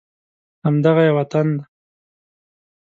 همدغه یې وطن دی